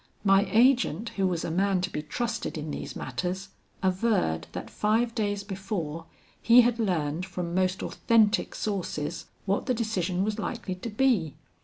My agent, who was a man to be trusted in these matters, averred that five days before, he had learned from most authentic sources what the decision was likely to be.